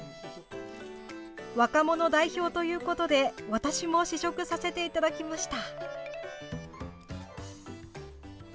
若者代表ということで私も試食させていただきました。